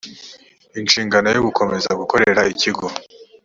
inshingano yo gukomeza gukorera ikigo